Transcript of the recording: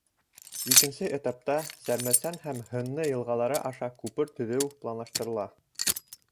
Икенсе этапта Сәрмәсән һәм Һынны йылғалары аша күпер төҙөү планлаштырыла.